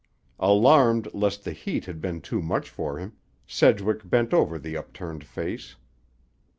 Alarmed lest the heat had been too much for him, Sedgwick bent over the upturned face.